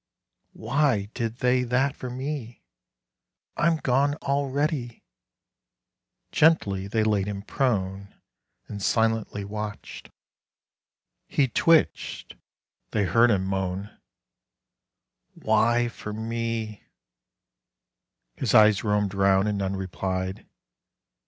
"Why did they that for me? I'm gone already!" Gently they laid him prone And silently watched. He twitched. They heard him moan "Why for me?" His eyes roamed round, and none replied.